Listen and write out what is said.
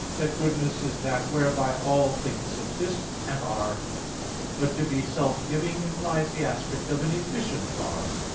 Nom. iv) that goodness is that whereby all things subsist, and are. But to be self giving implies the aspect of an efficient cause.